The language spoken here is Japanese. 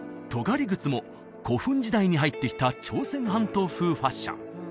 尖り靴も古墳時代に入ってきた朝鮮半島風ファッション